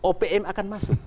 opm akan masuk